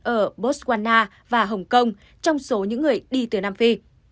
ở botswana và hồng kông trong số những người đi từ nam phi